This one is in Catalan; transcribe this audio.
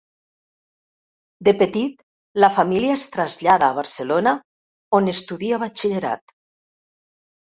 De petit, la família es trasllada a Barcelona on estudia batxillerat.